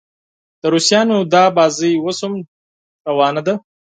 د روسانو دا لوبه اوس هم جاري ده.